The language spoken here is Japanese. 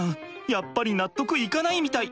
やっぱり納得いかないみたい。